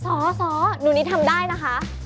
สสหนูนิดทำได้นะคะ